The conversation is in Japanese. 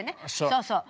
そうそう。